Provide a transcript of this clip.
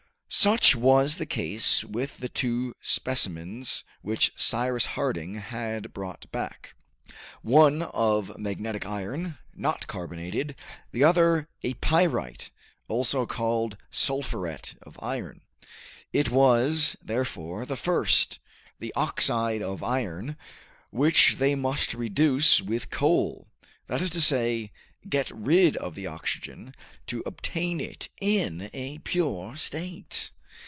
Such was the case with the two specimens which Cyrus Harding had brought back, one of magnetic iron, not carbonated, the other a pyrite, also called sulphuret of iron. It was, therefore the first, the oxide of iron, which they must reduce with coal, that is to say, get rid of the oxygen, to obtain it in a pure state.